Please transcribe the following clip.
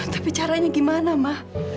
tapi caranya gimana ma